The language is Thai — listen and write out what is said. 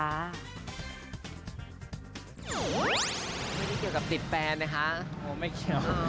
ไม่ได้เกี่ยวกับติดแฟนนะคะโอ้ไม่เกี่ยวค่ะ